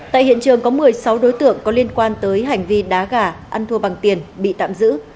tại hiện trường có một mươi sáu đối tượng có liên quan tới hành vi đá gà ăn thua bằng tiền bị tạm giữ